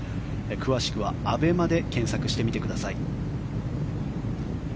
詳しくは「アベマ」で検索してみてください。